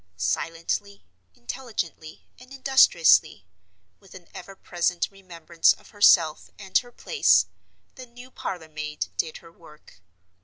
Silently, intelligently, and industriously—with an ever present remembrance of herself and her place—the new parlor maid did her work.